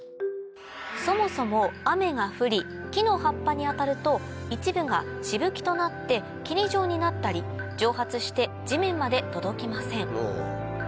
そもそも雨が降り木の葉っぱに当たると一部がしぶきとなって霧状になったり蒸発して地面まで届きません